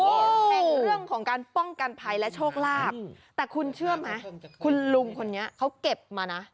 แห่งเรื่องของการป้องกันภัยและโชคลาภแต่คุณเชื่อไหมคุณลุงคนนี้เขาเก็บมานะ